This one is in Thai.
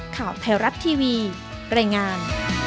ข่าวไทยรัฐทีวีรายงาน